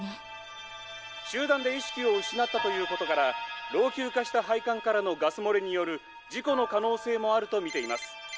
「集団で意識を失ったということから老朽化した配管からのガス漏れによる事故の可能性もあると見ています」。